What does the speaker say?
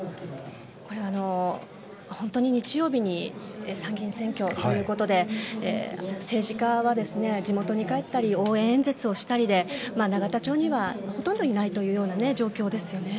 これは、本当に日曜日に参議院選挙ということで政治家は地元に帰ったり応援演説をしたりで永田町には、ほとんどいないというような状況ですよね。